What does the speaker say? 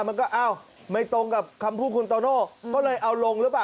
มันก็อ้าวไม่ตรงกับคำพูดคุณโตโน่ก็เลยเอาลงหรือเปล่า